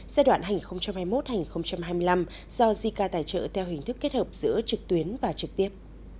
giai đoạn hành hai mươi một hai nghìn hai mươi năm do jica tài trợ theo hình thức kết hợp giữa trực tuyến và trực tiếp